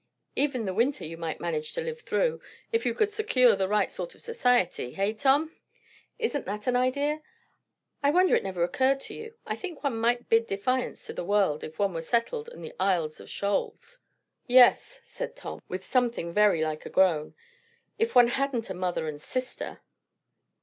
Even the winter you might manage to live through, if you could secure the right sort of society. Hey, Tom? Isn't that an idea? I wonder it never occurred to you. I think one might bid defiance to the world, if one were settled at the Isles of Shoals." "Yes," said Tom, with something very like a groan. "If one hadn't a mother and sister."